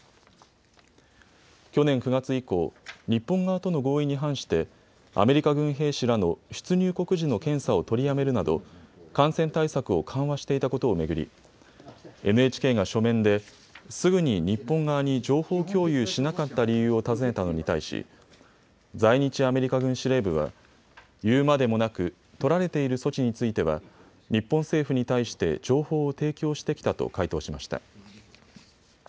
去年９月以降、日本側との合意に反してアメリカ軍兵士らの出入国時の検査を取りやめるなど感染対策を緩和していたことを巡り、ＮＨＫが書面ですぐに日本側に情報共有しなかった理由を尋ねたのに対し在日アメリカ軍司令部は言うまでもなく取られている措置については日本政府に対して情報を提供してきたと回答しました。